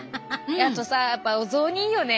あとさやっぱお雑煮いいよね。